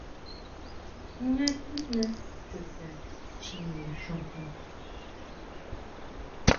Jñá tijna chuta chjine xujun.